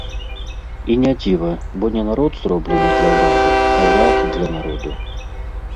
І не дзіва, бо не народ зроблены для ўраду, а ўрад для народу.